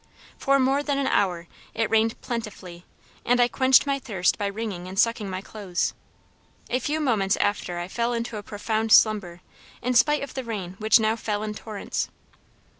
For more than an hour it rained plentifully, and I quenched my thirst by wringing and sucking my clothes. A few moments after I fell into a profound slumber, in spite of the rain which now fell in torrents.